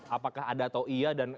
apakah ada atau iya